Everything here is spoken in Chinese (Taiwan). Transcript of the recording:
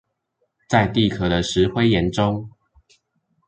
在地殼的石灰岩中